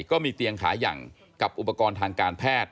ก็มีเตียงขายังกับอุปกรณ์ทางการแพทย์